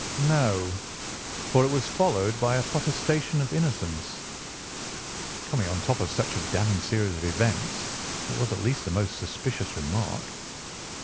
"No, for it was followed by a protestation of innocence." "Coming on the top of such a damning series of events, it was at least a most suspicious remark."